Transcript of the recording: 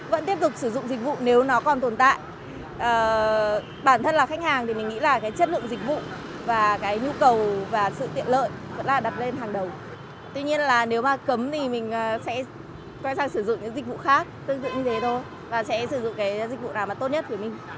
và sẽ sử dụng cái dịch vụ nào mà tốt nhất của mình